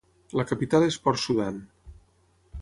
La capital és Port Sudan.